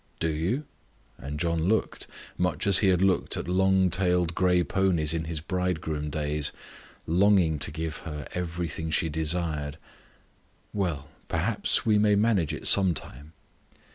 "Do you?" And John looked much as he had looked at long tailed grey ponies in his bridegroom days longing to give her every thing she desired. "Well, perhaps, we may manage it some time."